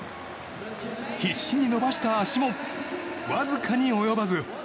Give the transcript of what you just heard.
必死に伸ばした足もわずかに及ばず。